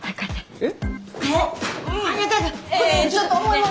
えっ？